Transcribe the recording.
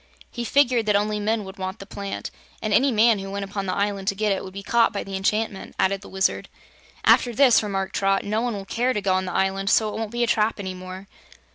"He figured that only men would want the plant, and any man who went upon the island to get it would be caught by the enchantment," added the Wizard. "After this," remarked Trot, "no one will care to go on the island, so it won't be a trap any more."